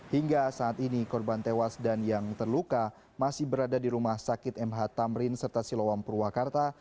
hingga saat ini korban tewas dan yang terluka masih berada di rumah sakit mh tamrin serta siloam purwakarta